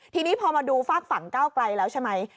ทีนี้พอมาดูฝากฝั่งก้าวไกลแล้วใช่ไหม